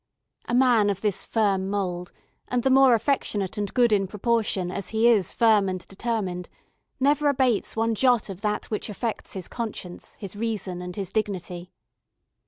A man of this firm mould, and the more affectionate and good in proportion as he is firm and determined, never abates one jot of that which affects his conscience, his reason, and his dignity.